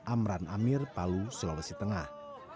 amran amir palu sulawesi tengah